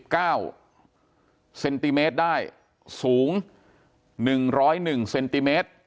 กลุ่มตัวเชียงใหม่